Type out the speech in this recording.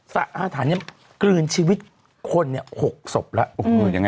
สระ๕ฐานกลืนชีวิตคน๖ศพแล้ว